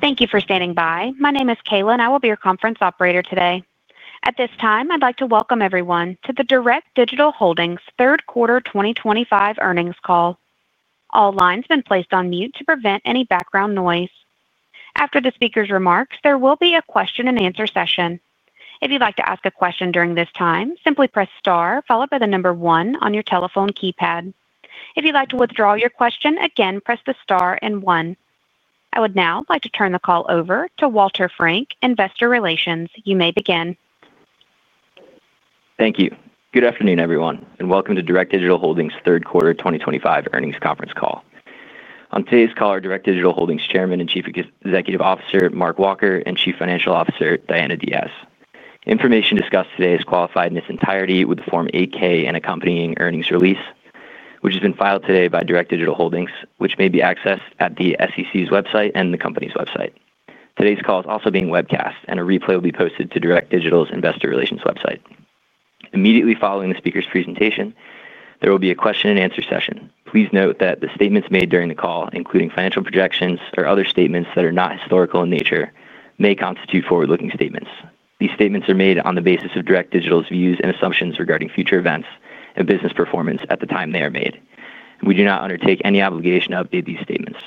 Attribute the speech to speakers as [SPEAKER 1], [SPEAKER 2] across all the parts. [SPEAKER 1] Thank you for standing by. My name is Kayla, and I will be your conference operator today. At this time, I'd like to welcome everyone to the Direct Digital Holdings Third Quarter 2025 Earnings Call. All lines have been placed on mute to prevent any background noise. After the speaker's remarks, there will be a question-and-answer session. If you'd like to ask a question during this time, simply press star followed by the number one on your telephone keypad. If you'd like to withdraw your question, again, press the star and one. I would now like to turn the call over to Walter Frank, Investor Relations. You may begin.
[SPEAKER 2] Thank you. Good afternoon, everyone, and welcome to Direct Digital Holdings third quarter 2025 earnings conference call. On today's call are Direct Digital Holdings Chairman and Chief Executive Officer Mark Walker and Chief Financial Officer Diana Diaz. Information discussed today is qualified in its entirety with Form 8-K and accompanying earnings release, which has been filed today by Direct Digital Holdings, which may be accessed at the SEC's website and the company's website. Today's call is also being webcast, and a replay will be posted to Direct Digital's Investor Relations website. Immediately following the speaker's presentation, there will be a question-and-answer session. Please note that the statements made during the call, including financial projections or other statements that are not historical in nature, may constitute forward-looking statements. These statements are made on the basis of Direct Digital's views and assumptions regarding future events and business performance at the time they are made. We do not undertake any obligation to update these statements.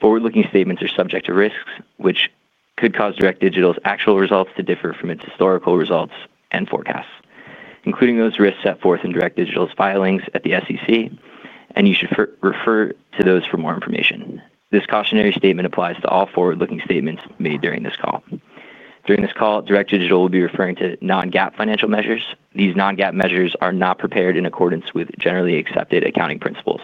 [SPEAKER 2] Forward-looking statements are subject to risks, which could cause Direct Digital's actual results to differ from its historical results and forecasts, including those risks set forth in Direct Digital's filings at the SEC, and you should refer to those for more information. This cautionary statement applies to all forward-looking statements made during this call. During this call, Direct Digital will be referring to non-GAAP financial measures. These non-GAAP measures are not prepared in accordance with generally accepted accounting principles.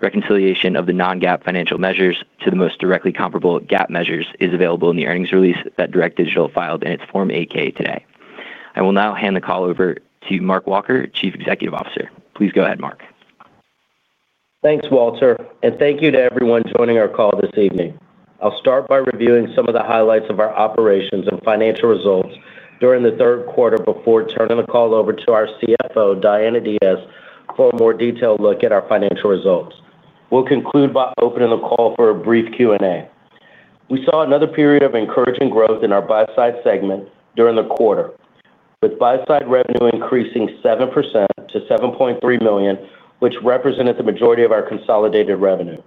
[SPEAKER 2] Reconciliation of the non-GAAP financial measures to the most directly comparable GAAP measures is available in the earnings release that Direct Digital filed in its Form 8-K today. I will now hand the call over to Mark Walker, Chief Executive Officer. Please go ahead, Mark.
[SPEAKER 3] Thanks, Walter, and thank you to everyone joining our call this evening. I'll start by reviewing some of the highlights of our operations and financial results during the third quarter before turning the call over to our CFO, Diana Diaz, for a more detailed look at our financial results. We'll conclude by opening the call for a brief Q&A. We saw another period of encouraging growth in our buy-side segment during the quarter, with buy-side revenue increasing 7% to $7.3 million, which represented the majority of our consolidated revenue.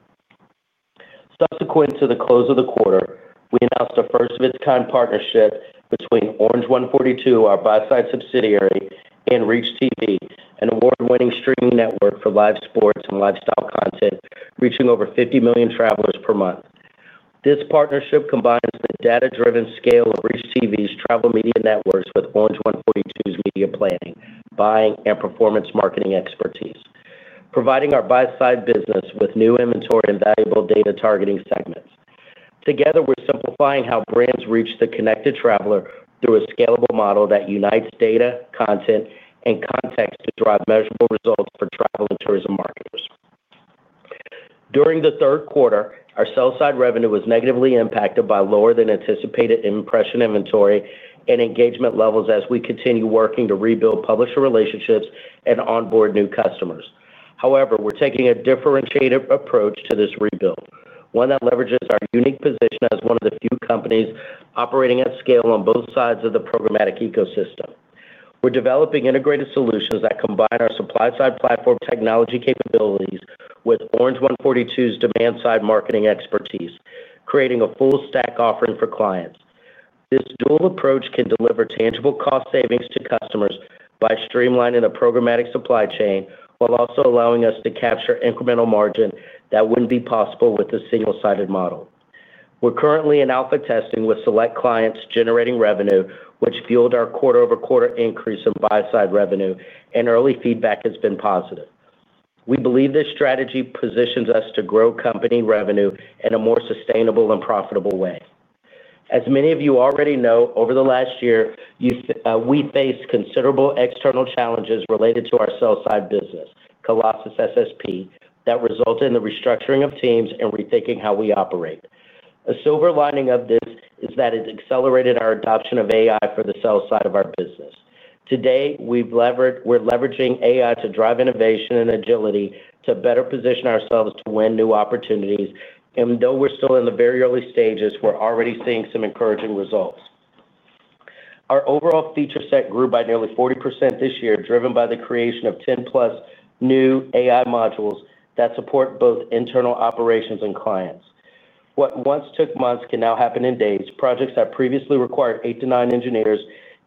[SPEAKER 3] Subsequent to the close of the quarter, we announced a first-of-its-kind partnership between Orange 142, our buy-side subsidiary, and ReachTV, an award-winning streaming network for live sports and lifestyle content reaching over 50 million travelers per month. This partnership combines the data-driven scale of ReachTV's travel media networks with Orange 142's media planning, buying, and performance marketing expertise, providing our buy-side business with new inventory and valuable data targeting segments. Together, we're simplifying how brands reach the connected traveler through a scalable model that unites data, content, and context to drive measurable results for travel and tourism marketers. During the third quarter, our sell-side revenue was negatively impacted by lower-than-anticipated impression inventory and engagement levels as we continue working to rebuild publisher relationships and onboard new customers. However, we're taking a differentiated approach to this rebuild, one that leverages our unique position as one of the few companies operating at scale on both sides of the programmatic ecosystem. We're developing integrated solutions that combine our supply-side platform technology capabilities with Orange 142's demand-side marketing expertise, creating a full-stack offering for clients. This dual approach can deliver tangible cost savings to customers by streamlining the programmatic supply chain while also allowing us to capture incremental margin that would not be possible with the single-sided model. We are currently in alpha testing with select clients generating revenue, which fueled our quarter-over-quarter increase in buy-side revenue, and early feedback has been positive. We believe this strategy positions us to grow company revenue in a more sustainable and profitable way. As many of you already know, over the last year, we faced considerable external challenges related to our sell-side business, Colossus SSP, that resulted in the restructuring of teams and rethinking how we operate. A silver lining of this is that it accelerated our adoption of AI for the sell-side of our business. Today, we are leveraging AI to drive innovation and agility to better position ourselves to win new opportunities. Though we're still in the very early stages, we're already seeing some encouraging results. Our overall feature set grew by nearly 40% this year, driven by the creation of 10+ new AI modules that support both internal operations and clients. What once took months can now happen in days. Projects that previously required eight to nine engineers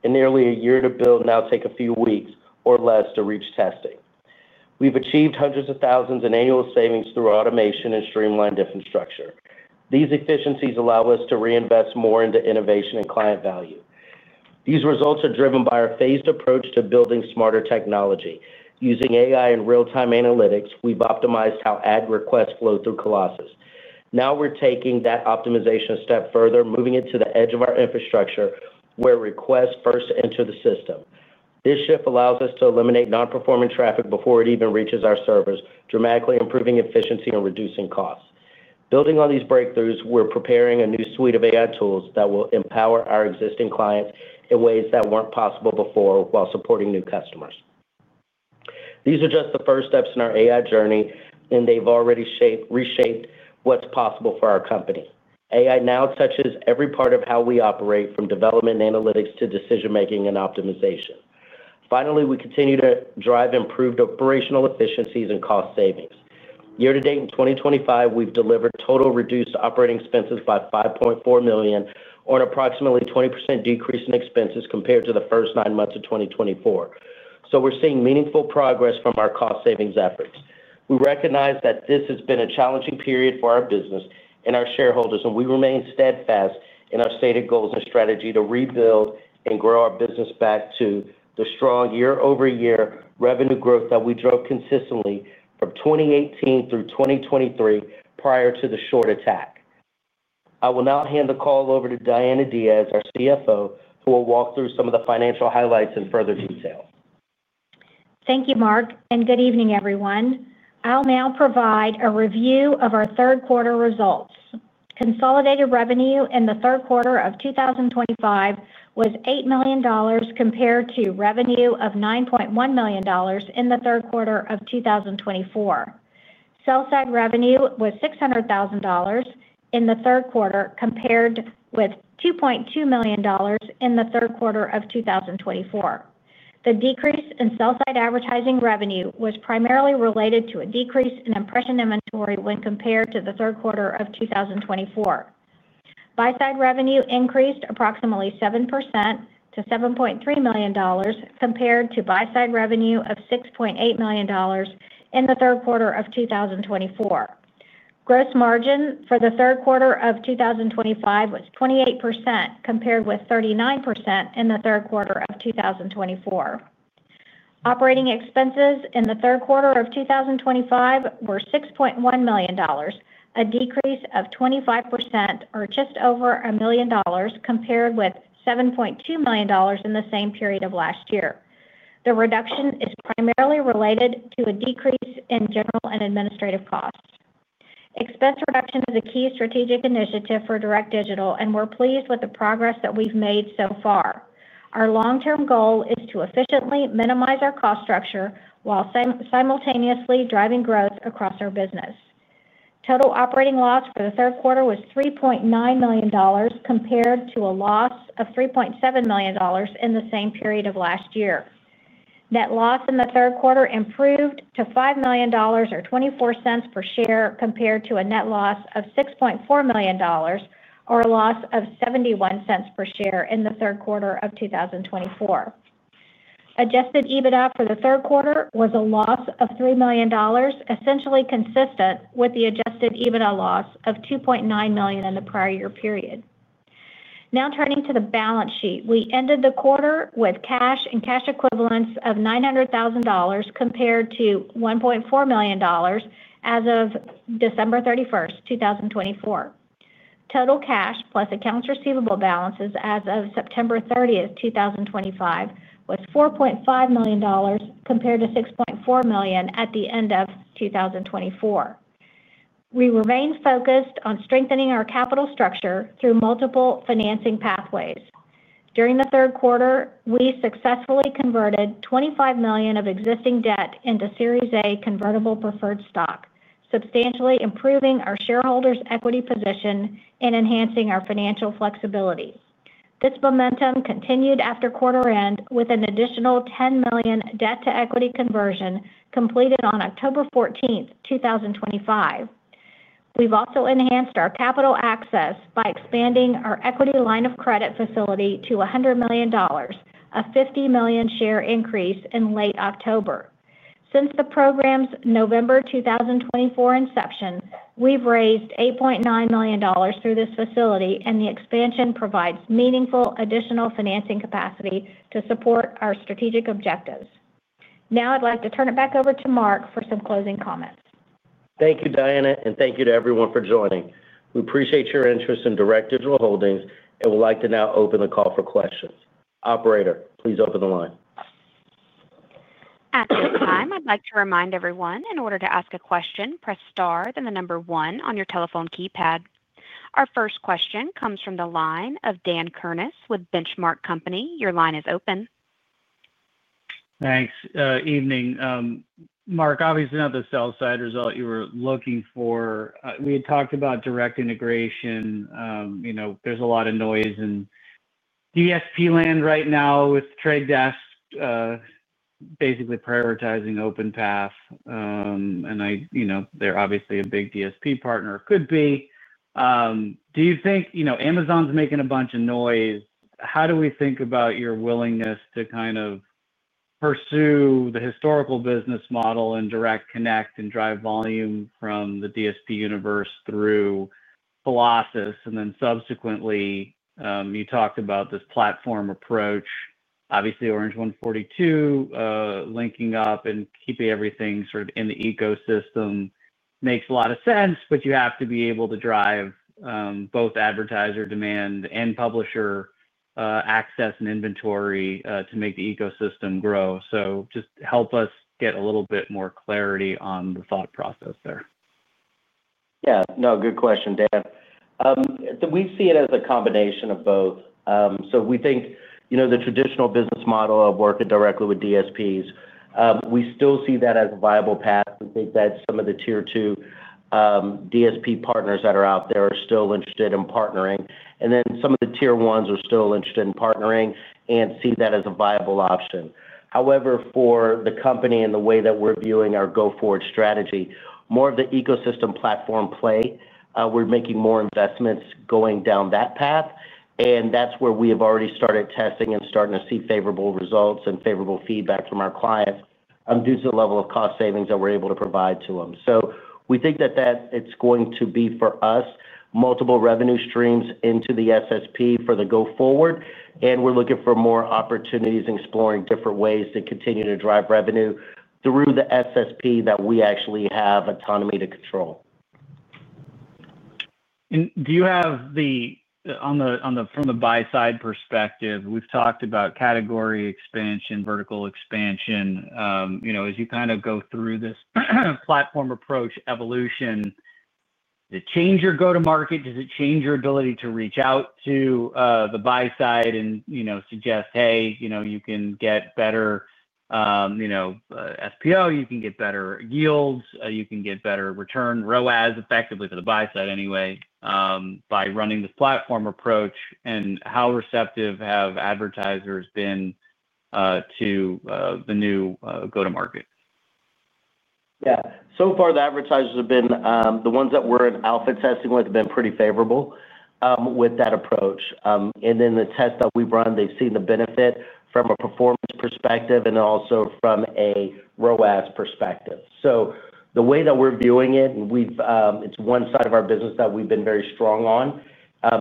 [SPEAKER 3] and nearly a year to build now take a few weeks or less to reach testing. We've achieved hundreds of thousands in annual savings through automation and streamlined different structure. These efficiencies allow us to reinvest more into innovation and client value. These results are driven by our phased approach to building smarter technology. Using AI and real-time analytics, we've optimized how ad requests flow through Colossus. Now we're taking that optimization a step further, moving it to the edge of our infrastructure where requests first enter the system. This shift allows us to eliminate non-performing traffic before it even reaches our servers, dramatically improving efficiency and reducing costs. Building on these breakthroughs, we're preparing a new suite of AI tools that will empower our existing clients in ways that weren't possible before while supporting new customers. These are just the first steps in our AI journey, and they've already reshaped what's possible for our company. AI now touches every part of how we operate, from development analytics to decision-making and optimization. Finally, we continue to drive improved operational efficiencies and cost savings. Year to date in 2025, we've delivered total reduced operating expenses by $5.4 million or an approximately 20% decrease in expenses compared to the first nine months of 2024. We're seeing meaningful progress from our cost savings efforts. We recognize that this has been a challenging period for our business and our shareholders, and we remain steadfast in our stated goals and strategy to rebuild and grow our business back to the strong year-over-year revenue growth that we drove consistently from 2018 through 2023 prior to the short attack. I will now hand the call over to Diana Diaz, our CFO, who will walk through some of the financial highlights in further detail.
[SPEAKER 4] Thank you, Mark, and good evening, everyone. I'll now provide a review of our third-quarter results. Consolidated revenue in the third quarter of 2025 was $8 million compared to revenue of $9.1 million in the third quarter of 2024. Sell-side revenue was $600,000 in the third quarter compared with $2.2 million in the third quarter of 2024. The decrease in sell-side advertising revenue was primarily related to a decrease in impression inventory when compared to the third quarter of 2024. Buy-side revenue increased approximately 7% to $7.3 million compared to buy-side revenue of $6.8 million in the third quarter of 2024. Gross margin for the third quarter of 2025 was 28% compared with 39% in the third quarter of 2024. Operating expenses in the third quarter of 2025 were $6.1 million, a decrease of 25% or just over $1 million compared with $7.2 million in the same period of last year. The reduction is primarily related to a decrease in general and administrative costs. Expense reduction is a key strategic initiative for Direct Digital, and we're pleased with the progress that we've made so far. Our long-term goal is to efficiently minimize our cost structure while simultaneously driving growth across our business. Total operating loss for the third quarter was $3.9 million compared to a loss of $3.7 million in the same period of last year. Net loss in the third quarter improved to $5 or $0.24 per share compared to a net loss of $6.4 million or a loss of $0.71 per share in the third quarter of 2024. Adjusted EBITDA for the third quarter was a loss of $3 million, essentially consistent with the Adjusted EBITDA loss of $2.9 million in the prior year period. Now turning to the balance sheet, we ended the quarter with cash and cash equivalents of $900,000 compared to $1.4 million as of December 31, 2024. Total cash plus accounts receivable balances as of September 30, 2025, was $4.5 million compared to $6.4 million at the end of 2024. We remained focused on strengthening our capital structure through multiple financing pathways. During the third quarter, we successfully converted $25 million of existing debt into Series A convertible preferred stock, substantially improving our shareholders' equity position and enhancing our financial flexibility. This momentum continued after quarter-end with an additional $10 million debt-to-equity conversion completed on October 14, 2025. We've also enhanced our capital access by expanding our equity line of credit facility to $100 million, a 50 million share increase in late October. Since the program's November 2024 inception, we've raised $8.9 million through this facility, and the expansion provides meaningful additional financing capacity to support our strategic objectives. Now I'd like to turn it back over to Mark for some closing comments.
[SPEAKER 3] Thank you, Diana, and thank you to everyone for joining. We appreciate your interest in Direct Digital Holdings and would like to now open the call for questions. Operator, please open the line.
[SPEAKER 1] At this time, I'd like to remind everyone in order to ask a question, press star, then the number one on your telephone keypad. Our first question comes from the line of Dan Kernis with Benchmark Company. Your line is open.
[SPEAKER 5] Thanks. Evening. Mark, obviously not the sell-side result you were looking for. We had talked about direct integration. There's a lot of noise in DSP land right now with The Trade Desk. Basically prioritizing OpenPath. And they're obviously a big DSP partner, could be. Do you think Amazon's making a bunch of noise? How do we think about your willingness to kind of pursue the historical business model and direct connect and drive volume from the DSP universe through Colossus? Then subsequently, you talked about this platform approach. Obviously, Orange 142. Linking up and keeping everything sort of in the ecosystem makes a lot of sense, but you have to be able to drive both advertiser demand and publisher access and inventory to make the ecosystem grow. Just help us get a little bit more clarity on the thought process there.
[SPEAKER 3] Yeah. No, good question, Dan. We see it as a combination of both. We think the traditional business model of working directly with DSPs, we still see that as a viable path. We think that some of the tier two DSP partners that are out there are still interested in partnering. And then some of the tier ones are still interested in partnering and see that as a viable option. However, for the company and the way that we're viewing our go-forward strategy, more of the ecosystem platform play, we're making more investments going down that path. That's where we have already started testing and starting to see favorable results and favorable feedback from our clients due to the level of cost savings that we're able to provide to them. We think that it's going to be for us multiple revenue streams into the SSP for the go-forward. We're looking for more opportunities and exploring different ways to continue to drive revenue through the SSP that we actually have autonomy to control.
[SPEAKER 5] Do you have the, from the buy-side perspective, we've talked about category expansion, vertical expansion. As you kind of go through this platform approach evolution, does it change your go-to-market? Does it change your ability to reach out to the buy-side and suggest, "Hey, you can get better SPO, you can get better yields, you can get better return ROAS," effectively for the buy-side anyway, by running this platform approach? How receptive have advertisers been to the new go-to-market?
[SPEAKER 3] Yeah. So far, the advertisers have been the ones that we're in alpha testing with have been pretty favorable with that approach. In the test that we've run, they've seen the benefit from a performance perspective and also from a ROAS perspective. The way that we're viewing it, it's one side of our business that we've been very strong on,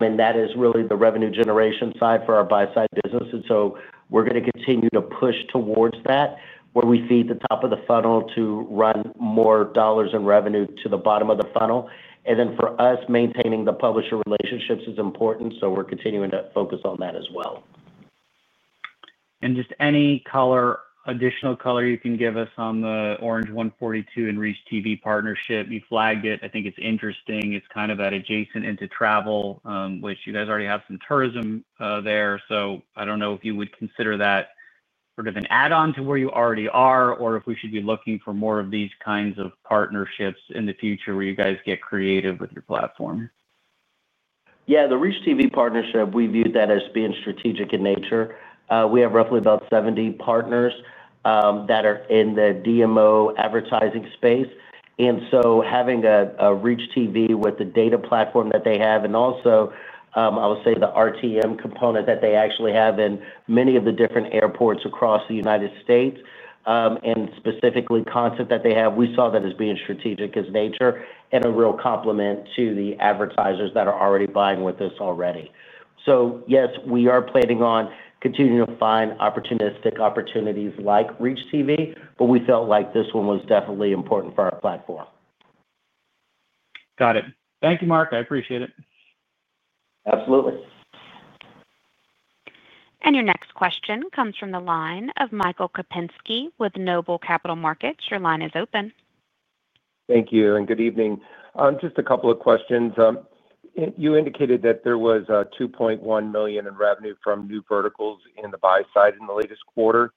[SPEAKER 3] and that is really the revenue generation side for our buy-side business. We're going to continue to push towards that where we feed the top of the funnel to run more dollars in revenue to the bottom of the funnel. For us, maintaining the publisher relationships is important, so we're continuing to focus on that as well.
[SPEAKER 5] Just any additional color you can give us on the Orange 142 and ReachTV partnership, you flagged it. I think it's interesting. It's kind of that adjacent into travel, which you guys already have some tourism there. I don't know if you would consider that sort of an add-on to where you already are or if we should be looking for more of these kinds of partnerships in the future where you guys get creative with your platform.
[SPEAKER 3] Yeah. The ReachTV partnership, we view that as being strategic in nature. We have roughly about 70 partners that are in the DMO advertising space. Having a ReachTV with the data platform that they have and also, I would say, the RTM component that they actually have in many of the different airports across the United States, and specifically, content that they have, we saw that as being strategic as nature and a real complement to the advertisers that are already buying with us already. Yes, we are planning on continuing to find opportunistic opportunities like ReachTV, but we felt like this one was definitely important for our platform.
[SPEAKER 5] Got it. Thank you, Mark. I appreciate it.
[SPEAKER 3] Absolutely.
[SPEAKER 1] Your next question comes from the line of Michael Kupinski with Noble Capital Markets. Your line is open.
[SPEAKER 6] Thank you. Good evening. Just a couple of questions. You indicated that there was $2.1 million in revenue from new verticals in the buy-side in the latest quarter.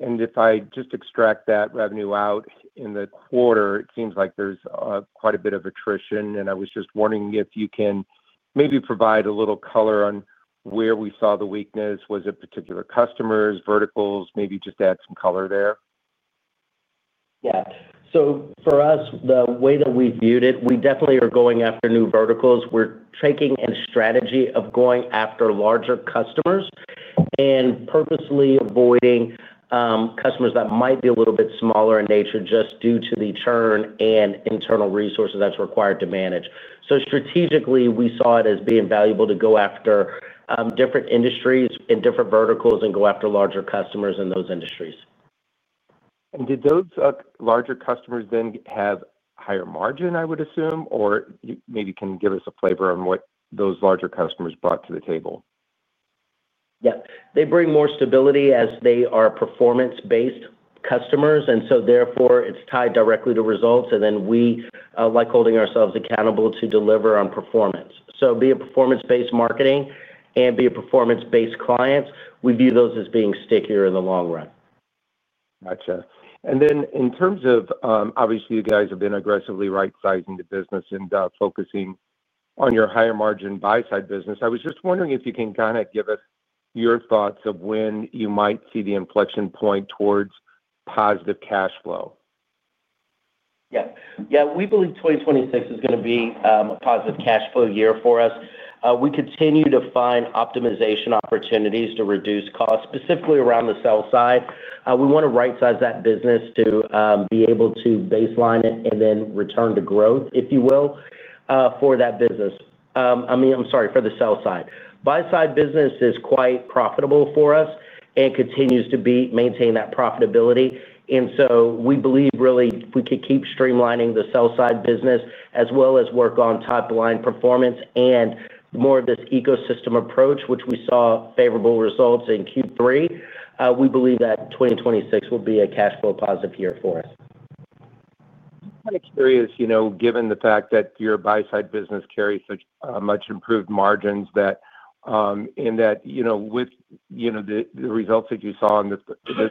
[SPEAKER 6] If I just extract that revenue out in the quarter, it seems like there's quite a bit of attrition. I was just wondering if you can maybe provide a little color on where we saw the weakness. Was it particular customers, verticals, maybe just add some color there?
[SPEAKER 3] Yeah. For us, the way that we viewed it, we definitely are going after new verticals. We're taking a strategy of going after larger customers and purposely avoiding customers that might be a little bit smaller in nature just due to the churn and internal resources that's required to manage. Strategically, we saw it as being valuable to go after different industries and different verticals and go after larger customers in those industries.
[SPEAKER 6] Did those larger customers then have higher margin, I would assume, or maybe can you give us a flavor on what those larger customers brought to the table?
[SPEAKER 3] Yeah. They bring more stability as they are performance-based customers. It is tied directly to results. We like holding ourselves accountable to deliver on performance. Be a performance-based marketing and be a performance-based client. We view those as being stickier in the long run.
[SPEAKER 6] Gotcha. In terms of, obviously, you guys have been aggressively right-sizing the business and focusing on your higher margin buy-side business. I was just wondering if you can kind of give us your thoughts of when you might see the inflection point towards positive cash flow.
[SPEAKER 3] Yeah. Yeah. We believe 2026 is going to be a positive cash flow year for us. We continue to find optimization opportunities to reduce costs, specifically around the sell side. We want to right-size that business to be able to baseline it and then return to growth, if you will. For that business. I mean, I'm sorry, for the sell side. Buy-side business is quite profitable for us and continues to maintain that profitability. And so we believe really we could keep streamlining the sell-side business as well as work on top-line performance and more of this ecosystem approach, which we saw favorable results in Q3. We believe that 2026 will be a cash flow positive year for us.
[SPEAKER 6] I'm kind of curious, given the fact that your buy-side business carries such much improved margins. In that. With the results that you saw in this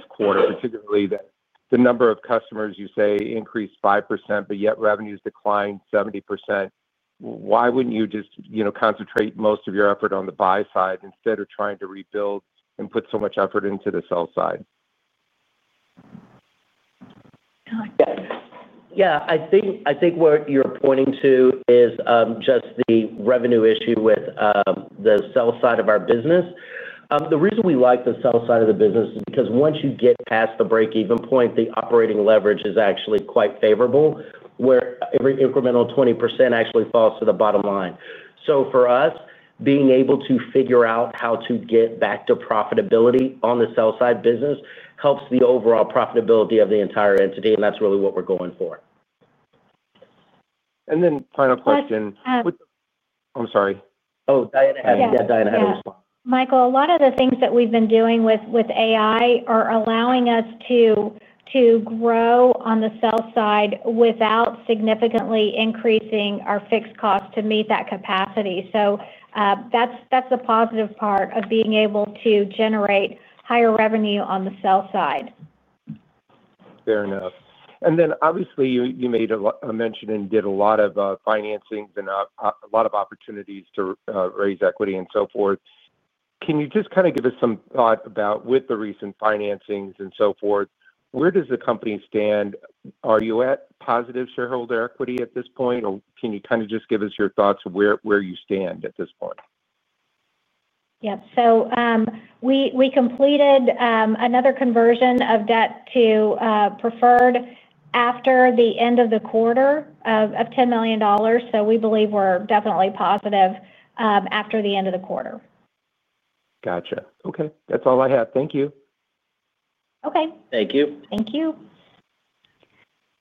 [SPEAKER 6] quarter, particularly that the number of customers you say increased 5%, but yet revenues declined 70%. Why wouldn't you just concentrate most of your effort on the buy-side instead of trying to rebuild and put so much effort into the sell side?
[SPEAKER 3] Yeah. I think where you're pointing to is just the revenue issue with the sell side of our business. The reason we like the sell side of the business is because once you get past the break-even point, the operating leverage is actually quite favorable. Where every incremental 20% actually falls to the bottom line. For us, being able to figure out how to get back to profitability on the sell-side business helps the overall profitability of the entire entity. That's really what we're going for.
[SPEAKER 6] Final question. I'm sorry.
[SPEAKER 3] Oh, Diana had a response.
[SPEAKER 4] Michael, a lot of the things that we've been doing with AI are allowing us to grow on the sell side without significantly increasing our fixed costs to meet that capacity. That is the positive part of being able to generate higher revenue on the sell side.
[SPEAKER 6] Fair enough. Obviously, you made a mention and did a lot of financings and a lot of opportunities to raise equity and so forth. Can you just kind of give us some thought about, with the recent financings and so forth, where does the company stand? Are you at positive shareholder equity at this point? Can you kind of just give us your thoughts of where you stand at this point?
[SPEAKER 4] Yeah. So. We completed another conversion of debt to preferred after the end of the quarter of $10 million. So we believe we're definitely positive after the end of the quarter.
[SPEAKER 6] Gotcha. Okay. That's all I have. Thank you.
[SPEAKER 4] Okay.
[SPEAKER 3] Thank you.
[SPEAKER 4] Thank you.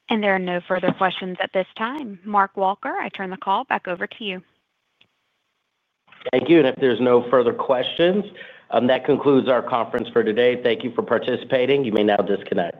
[SPEAKER 1] There are no further questions at this time. Mark Walker, I turn the call back over to you.
[SPEAKER 3] Thank you. If there are no further questions, that concludes our conference for today. Thank you for participating. You may now disconnect.